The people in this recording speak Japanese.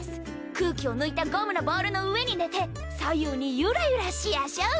空気を抜いたゴムのボールの上に寝て左右にゆらゆらしやしょう。